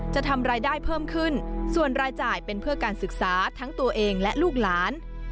จะทำรายได้เพิ่มขึ้นส่วนรายจ่ายเป็นเพื่อการศึกษาทั้งตัวเองและลูกหลาน